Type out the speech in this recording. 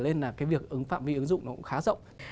nên là cái việc ứng phạm vi ứng dụng nó cũng khá rộng